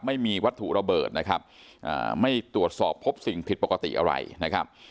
ไม่มีวัตถุระเบิดนะครับไม่ตรวจสอบพบสิ่งผิดปกติอะไรนะครับ